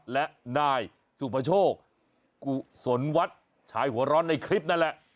และนายสุภโชคกุศลวัฒน์ชายหัวร้อนในคลิปนั่นแหละ